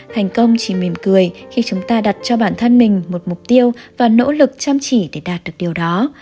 thành công chỉ mềm cười khi chúng ta đặt cho bản thân mình một mục tiêu và nỗ lực chăm chỉ để đạt được điều đó